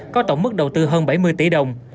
có tổng mức đầu tư hơn bảy mươi tỷ đồng